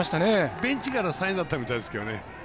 ベンチからのサインだったみたいですね。